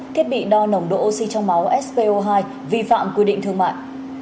thiết bị đo nồng độ oxy trong máu sco hai vi phạm quy định thương mại